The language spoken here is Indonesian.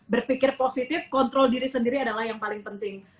berpikir positif kontrol diri sendiri adalah yang paling penting